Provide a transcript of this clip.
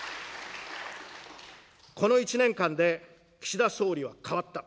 この１年間で、岸田総理は変わった。